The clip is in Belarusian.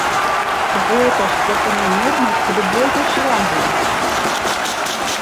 Гэта ж заканамернасць любога шлягера!